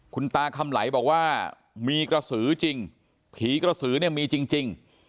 คุณตาคำไหลบอกว่ามีกระสือจริงผีกระสือเนี่ยมีจริง